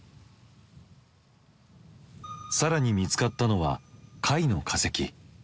更に見つかったのは貝の化石。